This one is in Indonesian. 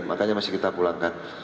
makanya masih kita pulangkan